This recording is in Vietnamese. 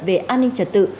về an ninh trật tự